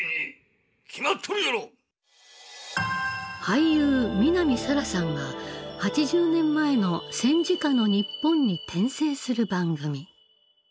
俳優南沙良さんが８０年前の戦時下の日本に転生する番組。